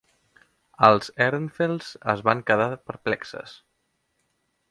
Els Ehrenfels es van quedar perplexes.